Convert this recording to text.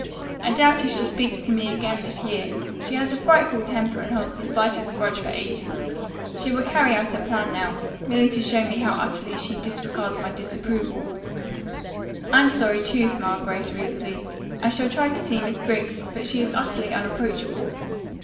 I doubt if she speaks to me again this year. She has a frightful temper and holds the slightest grudge for ages. She will carry out her plan now, merely to show me how utterly she disregards my disapproval." "I'm sorry, too," smiled Grace ruefully. "I shall try to see Miss Briggs, but she is utterly unapproachable."